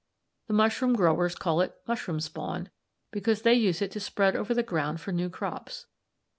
The mushroom growers call it 'mushroom spawn' because they use it to spread over the ground for new crops.